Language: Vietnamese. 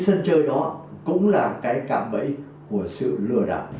sân chơi đó cũng là cái cạm bẫy của sự lừa đảo